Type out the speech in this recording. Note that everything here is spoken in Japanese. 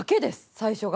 最初が。